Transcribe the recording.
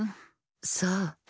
そう。